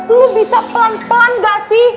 lu bisa pelan pelan gak sih